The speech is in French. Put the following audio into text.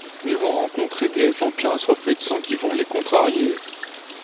Mais ils vont rencontrer des vampires assoiffés de sang qui vont les contrarier…